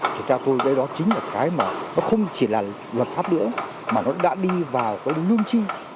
thì theo tôi cái đó chính là cái mà nó không chỉ là luật pháp nữa mà nó đã đi vào cái lương chi